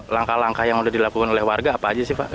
langkah langkah yang sudah dilakukan oleh warga apa aja sih pak